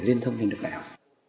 liên thông lên được đại học